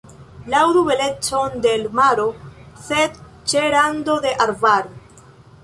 Laŭdu belecon de l' maro, sed ĉe rando de arbaro.